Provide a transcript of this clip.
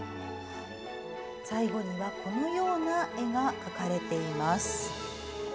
最後にはこのような絵が描かれています。